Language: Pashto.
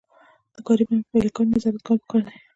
د کاري پلان په پلي کولو نظارت کول پکار دي.